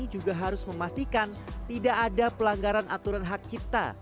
juga harus memastikan tidak ada pelanggaran aturan hak cipta